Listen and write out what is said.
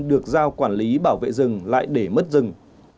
được giao quản lý bảo vệ rừng lại để mất rừng